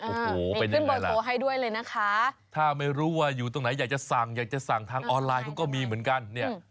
โอ้โหเป็นยังไงล่ะถ้าไม่รู้ว่าอยู่ตรงไหนอยากจะสั่งอยากจะสั่งทางออนไลน์เขาก็มีเหมือนกัน